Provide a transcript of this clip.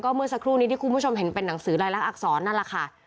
เมื่อสักครู่นี้ที่คุณผู้ชมเห็นเป็นหนังสือลายลักษรนั่นแหละค่ะ